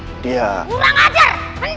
kurang ajar hentikan gandewaramu